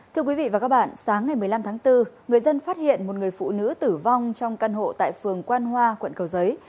thưa quý vị và các bạn sáng ngày một mươi năm tháng bốn người dân phát hiện một người phụ nữ tử vong trong căn hộ tại phường quan hoa quận cầu giấy